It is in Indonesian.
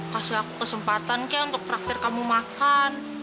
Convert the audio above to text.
kasih aku kesempatan keh untuk praktir kamu makan